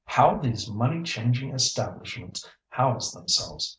"How these money changing establishments house themselves!"